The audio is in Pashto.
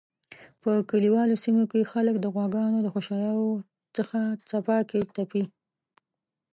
په کلیوالو سیمو کی خلک د غواګانو د خوشایی څخه څپیاکی تپی